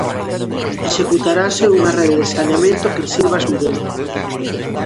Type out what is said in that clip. Executarase unha rede de saneamento que sirva ás vivendas.